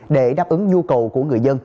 để đáp ứng nhu cầu của người dân